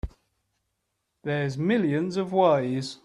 There's millions of ways.